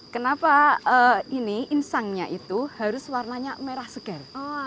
kenapa ini insangnya itu harus warnanya merah segar